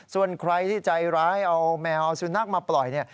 ส่วนใครที่ใจร้ายเอาแมวสุนัขมาปล่อยเนี่ย